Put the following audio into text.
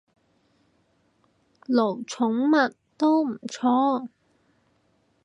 奴寵物，都唔錯